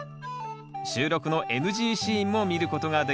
収録のＮＧシーンも見ることができますよ。